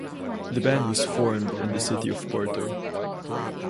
The band was formed in the city of Porto.